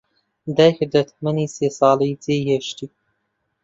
دایکت لە تەمەنی سێ ساڵی جێی هێشتی.